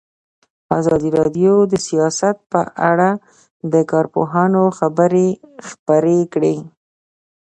ازادي راډیو د سیاست په اړه د کارپوهانو خبرې خپرې کړي.